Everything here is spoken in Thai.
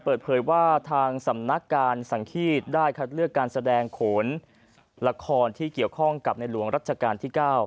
เปิดเผยว่าทางสำนักการสังฆีตได้คัดเลือกการแสดงโขนละครที่เกี่ยวข้องกับในหลวงรัชกาลที่๙